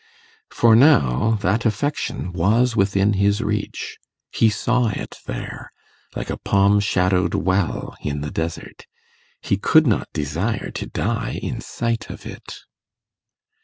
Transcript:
For now, that affection was within his reach; he saw it there, like a palm shadowed well in the desert; he could not desire to die in sight of it.